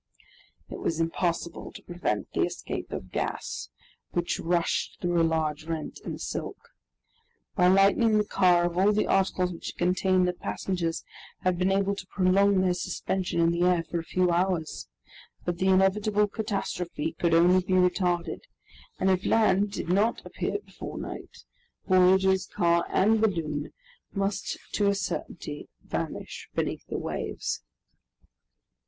It was impossible to prevent the escape of gas, which rushed through a large rent in the silk. By lightening the car of all the articles which it contained, the passengers had been able to prolong their suspension in the air for a few hours. But the inevitable catastrophe could only be retarded, and if land did not appear before night, voyagers, car, and balloon must to a certainty vanish beneath the waves.